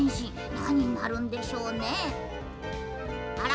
なにになるんでしょうね。